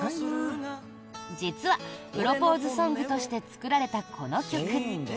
実はプロポーズソングとして作られたこの曲。